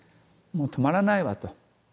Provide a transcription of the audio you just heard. もう止まらないわと。